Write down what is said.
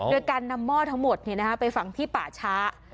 โดยการนำหม้อทั้งหมดไปฝังที่ป่าช้า